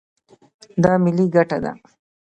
دا ملي ګټه ده.